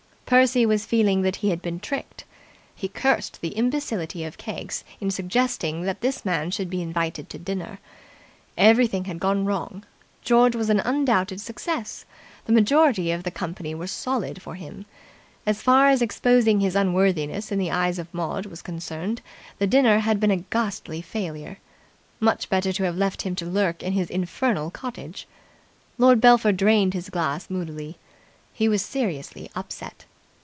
Percy was feeling that he had been tricked. He cursed the imbecility of Keggs in suggesting that this man should be invited to dinner. Everything had gone wrong. George was an undoubted success. The majority of the company were solid for him. As far as exposing his unworthiness in the eyes of Maud was concerned, the dinner had been a ghastly failure. Much better to have left him to lurk in his infernal cottage. Lord Belpher drained his glass moodily. He was seriously upset.